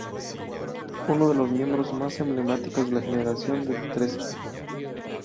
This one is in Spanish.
Uno de los miembros más emblemáticos de la generación del trece.